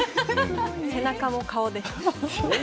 背中も顔です。